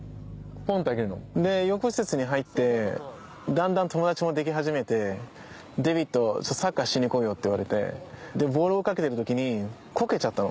で養護施設に入ってだんだん友達もでき始めて「デイビッドサッカーしに行こうよ」って言われてボールを追いかけてる時にこけちゃったの。